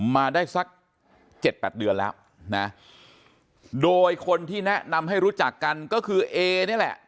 มาได้สักเจ็ดแปดเดือนแล้วนะโดยคนที่แนะนำให้รู้จักกันก็คือเอนี่แหละ